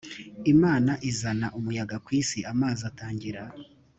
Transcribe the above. imana izana umuyaga ku isi amazi atangira